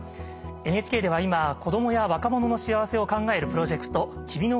ＮＨＫでは今子どもや若者の幸せを考えるプロジェクト「君の声が聴きたい」を展開しています。